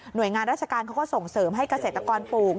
โดยงานราชการเขาก็ส่งเสริมให้เกษตรกรปลูก